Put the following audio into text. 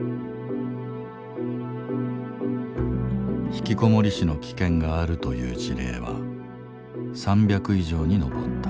ひきこもり死の危険があるという事例は３００以上に上った。